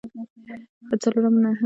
څلورم نهه مسلکي مسؤلیتونه دي.